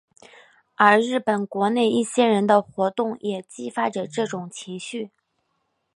而日本国内一些人的活动也激发着这种情绪。